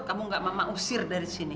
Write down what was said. kamu gak mau usir dari sini